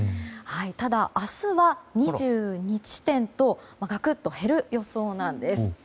ただ、明日は２２地点とガクッと減る予想なんです。